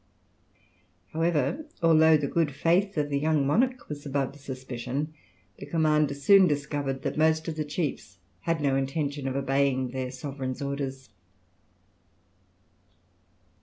However, although the good faith of the young monarch was above suspicion, the commander soon discovered that most of the chiefs had no intention of obeying their sovereign's orders.